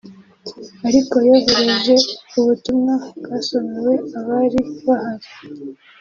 ariko yohereje ubutumwa bwasomewe abari bahari